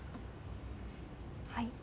はい。